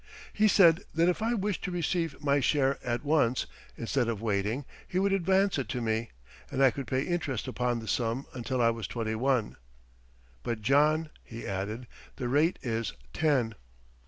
He said that if I wished to receive my share at once, instead of waiting, he would advance it to me and I could pay interest upon the sum until I was twenty one. "But, John," he added, "the rate is ten."